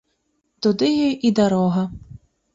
Туды ёй і дарога!